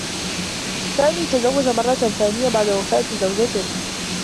سامي تزوّج مرّة ثانية بعد وفاة زوجته.